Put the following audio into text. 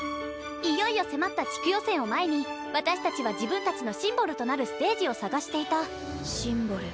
いよいよ迫った地区予選を前に私たちは自分たちのシンボルとなるステージを探していたシンボル。